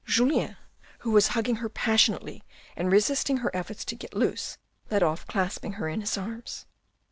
Julien, who was hugging her passionately and resisting her efforts to get loose, left off clasping her in his arms.